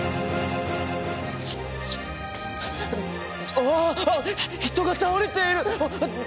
あっ人が倒れている！